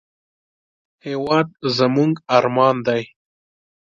هېواد زموږ ارمان دی